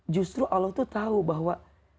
justru allah itu tahu bahwa